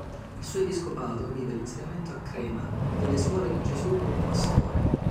Il suo episcopato vide l'insediamento a Crema delle Suore di Gesù Buon Pastore.